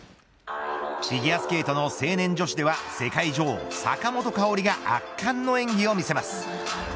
フィギュアスケートの成年女子では世界女王、坂本花織が圧巻の演技を見せます。